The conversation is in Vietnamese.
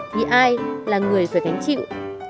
thì ai là người phải cánh chịu